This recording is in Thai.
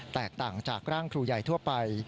แตกต่างจากร่างครูใหญ่ทั่วไป